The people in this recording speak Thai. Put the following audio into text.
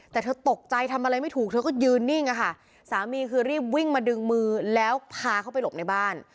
แต่เธอตกใจทำอะไรไม่ถูกเธอก็ยืนนิ่งอะค่ะสามีคือรีบวิ่งมาดึงมือแล้วพาเขาไปหลบในบ้าน